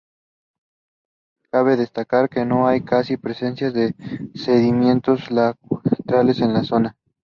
Cabe destacar que no hay casi presencia de sedimentos lacustres en la zona.